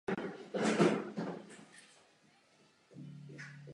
Obytné čtvrti byly realizovány o něco později a prostřednictvím masové panelové výstavby.